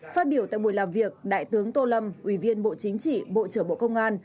phát biểu tại buổi làm việc đại tướng tô lâm ủy viên bộ chính trị bộ trưởng bộ công an